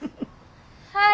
はい。